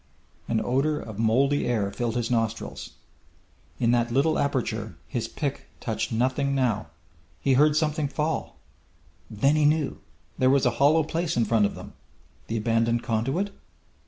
An odour of mouldy air filled his nostrils. In that little aperture his pick touched nothing now! He heard something fall! Then he knew! There was a hollow place in front of them! The abandoned conduit?